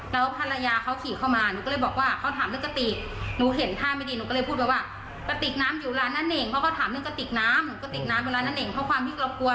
แล้วภรรยาเขาขี่เข้ามาหนูก็เลยบอกว่าเขาถามเรื่องกะติก